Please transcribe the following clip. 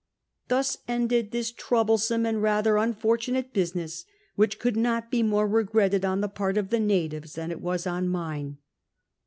" Thus ended this troublesome sind rather unfortunate business, whvh could not bo more regretted on the part of the natives than it was on mine."